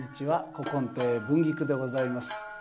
古今亭文菊でございます。